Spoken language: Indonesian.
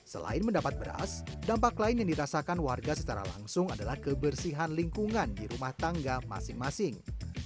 selain mendapat beras dampak lain yang dirasakan warga secara langsung adalah kebersihan lingkungan di rumah tangga masing masing